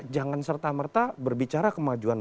jangan serta merta berbicara kemajuan